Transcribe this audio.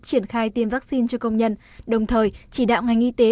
triển khai tiêm vaccine cho công nhân đồng thời chỉ đạo ngành y tế